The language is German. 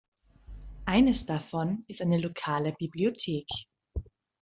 Eines davon ist eine lokale Bibliothek.